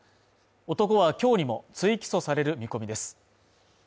男は今日にも追起訴される見込みです。